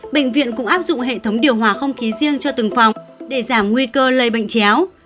bệnh viện cũng áp dụng hệ thống điều hòa không khí riêng cho từng phòng để giảm nguy cơ lây bệnh chéo